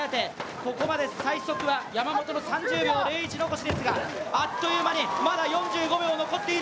ここまで最速は山本の３０秒０１残しですがあっという間にまだ４５秒残っている。